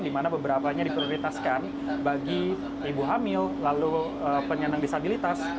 di mana beberapanya diprioritaskan bagi ibu hamil lalu penyandang disabilitas